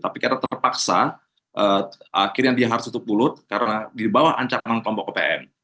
tapi karena terpaksa akhirnya dia harus tutup mulut karena di bawah ancaman kelompok opm